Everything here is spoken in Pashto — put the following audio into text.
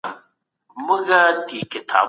د پښو ورزش کول بدن ته ګټور دی.